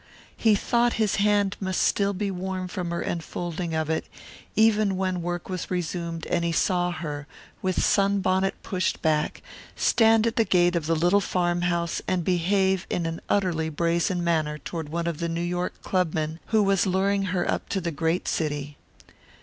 He thought his hand must still be warm from her enfolding of it, even when work was resumed and he saw her, with sunbonnet pushed back, stand at the gate of the little farmhouse and behave in an utterly brazen manner toward one of the New York clubmen who was luring her up to the great city.